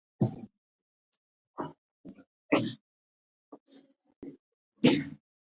მან იმპერიის კონტროლი მაშინ ჩაიბარა როდესაც ის დიდ კრიზისს განიცდიდა.